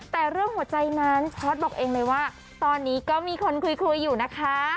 แต่เรื่องหัวใจนั้นช็อตบอกเองเลยว่าตอนนี้ก็มีคนคุยอยู่นะคะ